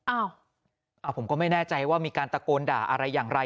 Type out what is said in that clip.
อ้าวผมก็ไม่แน่ใจว่ามีการตะโกนด่าอะไรอย่างไร